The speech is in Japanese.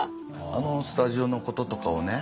あのスタジオのこととかをね